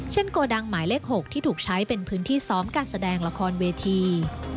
โกดังหมายเลข๖ที่ถูกใช้เป็นพื้นที่ซ้อมการแสดงละครเวที